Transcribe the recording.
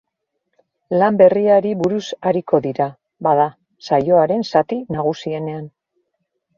Lan berriari buruz ariko dira, bada, saioaren zati nagusienean.